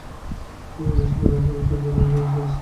ইলিশ পোলাও পরিবেশন করুন পেঁয়াজ বেরেস্তা উপরে ছড়িয়ে।